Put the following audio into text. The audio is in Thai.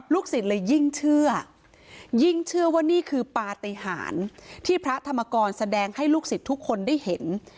ศิษย์เลยยิ่งเชื่อยิ่งเชื่อว่านี่คือปฏิหารที่พระธรรมกรแสดงให้ลูกศิษย์ทุกคนได้เห็น